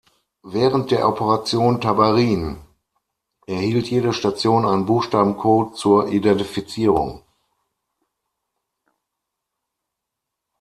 Während der Operation Tabarin erhielt jede Station einen Buchstabencode zur Identifizierung.